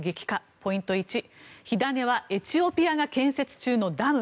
ポイント１、火種はエチオピアが建設中のダム。